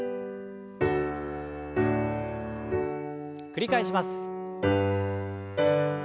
繰り返します。